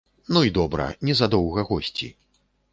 Ну й добра, незадоўга госці.